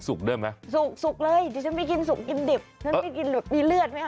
ช่องไม่ไม่คิดไหม